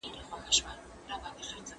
زخمونه به په وخت سره ورغېږي.